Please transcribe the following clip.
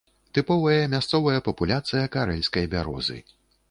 Тыповая мясцовая папуляцыя карэльскай бярозы.